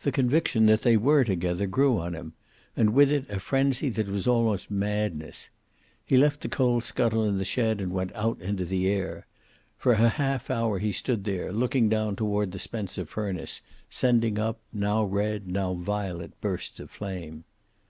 The conviction that they were together grew on him, and with it a frenzy that was almost madness. He left the coal scuttle in the shed, and went out into the air. For a half hour he stood there, looking down toward the Spencer furnace, sending up, now red, now violet bursts of flame.